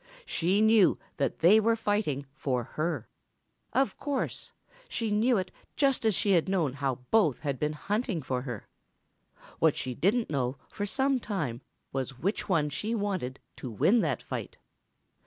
She knew that they were fighting for her. Of course. She knew it just as she had known how both had been hunting for her. What she didn't know for some time was which one she wanted to win that fight.